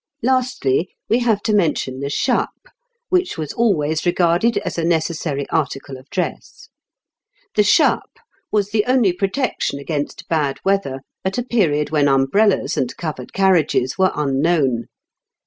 "Lastly, we have to mention the chape, which was always regarded as a necessary article of dress. The chape was the only protection against bad weather at a period when umbrellas and covered carriages were unknown.